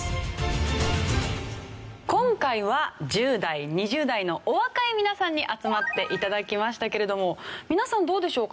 今回は１０代２０代のお若い皆さんに集まって頂きましたけれども皆さんどうでしょうか？